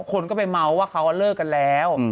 คนก็ไปเมาส์ว่าเขาเลิกกันแล้ว